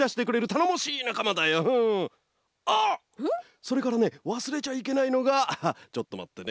それからねわすれちゃいけないのがちょっとまってね。